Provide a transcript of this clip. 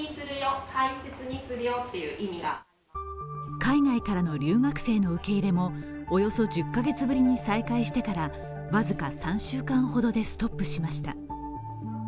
海外からの留学生の受け入れもおよそ１０カ月ぶりに再開してから僅か３週間ほどでストップしました。